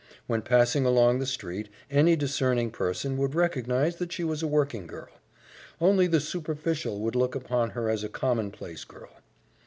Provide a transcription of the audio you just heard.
When passing along the street, any discerning person would recognize that she was a working girl; only the superficial would look upon her as a common place girl.